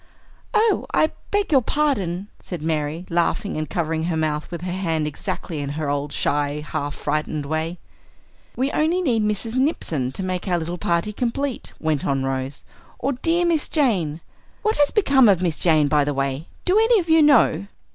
"Oh, I beg your pardon," said Mary, laughing and covering her mouth with her hand exactly in her old, shy, half frightened way. "We only need Mrs. Nipson to make our little party complete," went on Rose, "or dear Miss Jane! What has become of Miss Jane, by the way? Do any of you know?"